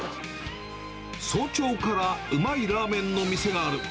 早朝からうまいラーメンの店がある。